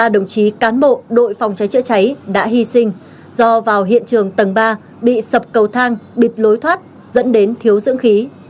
ba đồng chí cán bộ đội phòng cháy chữa cháy đã hy sinh do vào hiện trường tầng ba bị sập cầu thang bịt lối thoát dẫn đến thiếu dưỡng khí